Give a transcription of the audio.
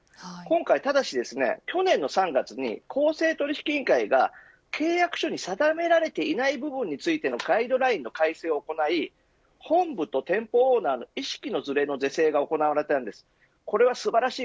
今回、去年の３月に公正取引委員会が契約書に定められていない部分についてのガイドラインの改正を行い本部と店舗オーナーの意識のずれの是正が行われました。